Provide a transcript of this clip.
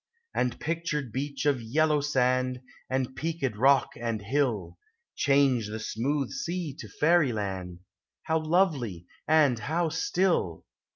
And pictured beach of yellow sand, And peaked rock and hill, Change the smooth sea to fairyland; How lovely and how still